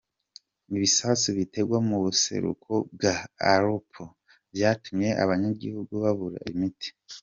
Ibisasu bitegwa mu buseruko bwa Aleppo vyatumye abanyagihugu babura imiti.